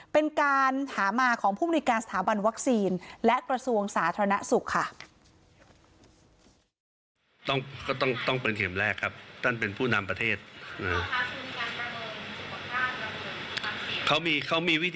เป็นการหามาของผู้มนุยการสถาบันวัคซีนและกระทรวงสาธารณสุขค่ะ